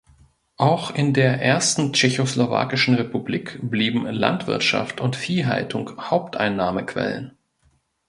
Auch in der ersten tschechoslowakischen Republik blieben Landwirtschaft und Viehhaltung Haupteinnahmequellen.